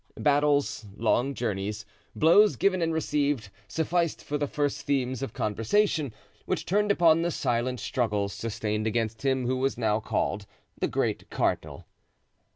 Battles, long journeys, blows given and received, sufficed for the first themes of conversation, which turned upon the silent struggles sustained against him who was now called the great cardinal.